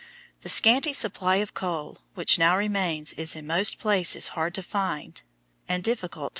The scanty supply of coal which now remains is in most places hard to find and difficult to mine.